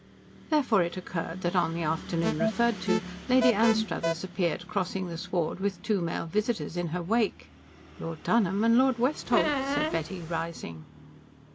Therefore it occurred that on the afternoon referred to Lady Anstruthers appeared crossing the sward with two male visitors in her wake. "Lord Dunholm and Lord Westholt," said Betty, rising.